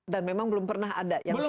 dan memang belum pernah ada yang filing